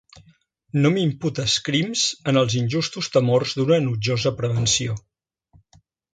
No m'imputes crims en els injustos temors d'una enutjosa prevenció.